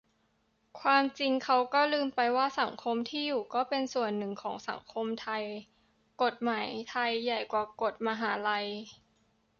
ความจริงเขาก็ลืมไปว่าสังคมที่อยู่ก็เป็นส่วนหนึ่งของสังคมไทย กฎหมายไทยใหญ่กว่ากฎมหาลัย